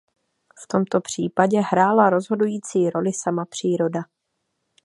V tomto případě hrála rozhodující roli sama příroda.